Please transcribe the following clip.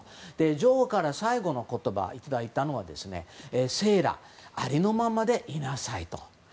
女王から最後の言葉をいただいたのはセーラありのままでいなさいと。